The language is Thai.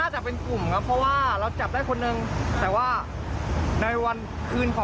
ใช่แต่ตอนบิ่งไม่พูดเอาไวมาก